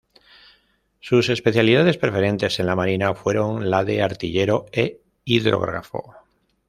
Sus especialidades preferentes en la Marina fueron la de artillero e hidrógrafo.